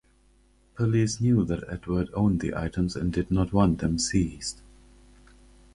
Police knew that Edward owned the items and did not want them seized.